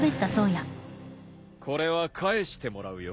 これは返してもらうよ。